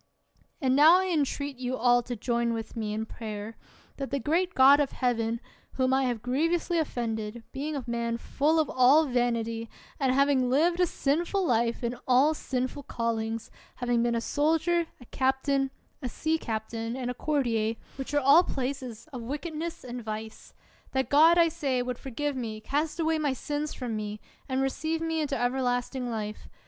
And now I entreat you all to join with me in prayer, that the great God of Heaven, whom I have grievously offended, being a man full of all vanity, and having lived a sinful life, in all sin ful callings, having been a soldier, a captain, a sea captain, and a courtier, which are all places of wickedness and vice ; that God, I say, would forgive me, cast away my sins from me, and re ceive me into everlasting life.